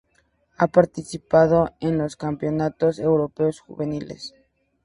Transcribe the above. Ha participado en los campeonatos europeos juveniles.